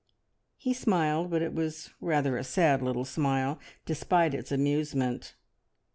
He smiled, but it was rather a sad little smile, despite its amusement.